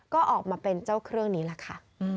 ก็ออกมาเป็นเจ้าเครื่องนี้แหละค่ะ